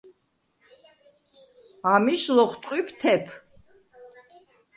ამის ლოხტყვიბ თეფ.